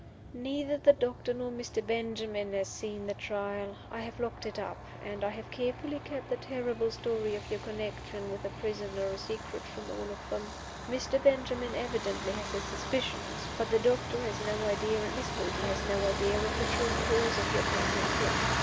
"Neither the doctor nor Mr. Benjamin has seen the Trial. I have locked it up; and I have carefully kept the terrible story of your connection with the prisoner a secret from all of them. Mr. Benjamin evidently has his suspicions. But the doctor has no idea, and Miss Hoighty has no idea, of the true cause of your fainting fit.